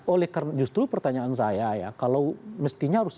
oleh karena justru pertanyaan saya ya kalau mestinya harus